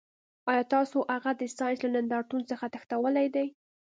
ایا تاسو هغه د ساینس له نندارتون څخه تښتولی دی